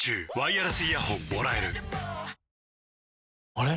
あれ？